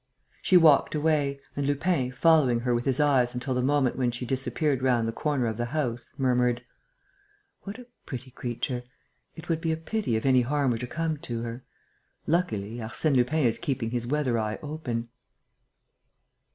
She walked away; and Lupin, following her with his eyes until the moment when she disappeared round the corner of the house, murmured: "What a pretty creature! It would be a pity if any harm were to come to her. Luckily, Arsène Lupin is keeping his weather eye open."